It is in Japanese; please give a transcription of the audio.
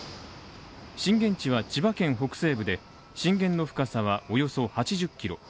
震源地は千葉県北西部で、震源の深さはおよそ８０キロ。